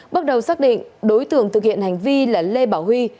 bước đầu xác định đối tượng thực hiện hành vi là lê bảo huy